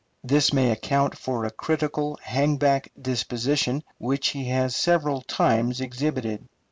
This may account for a critical, hang back disposition which he has several times exhibited.